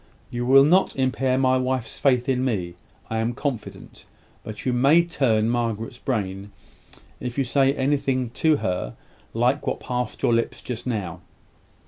You will not impair my wife's faith in me, I am confident; but you may turn Margaret's brain, if you say to her anything like what passed your lips just now.